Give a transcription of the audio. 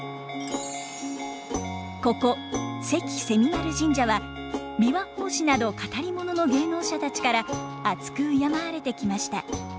ここ関蝉丸神社は琵琶法師など語り物の芸能者たちから篤く敬われてきました。